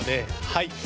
はい。